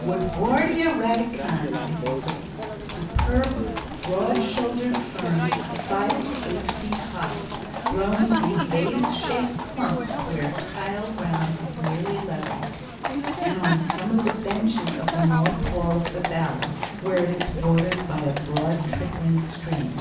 Woodwardia radicans is a superb, broad shouldered fern five to eight feet high, growing in vase shaped clumps where tile ground is nearly level and on some of the benches of the north wall of the Valley where it is watered by a broad trickling stream.